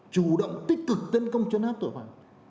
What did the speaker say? chủ động tích cực tấn công chấn áp tội phạm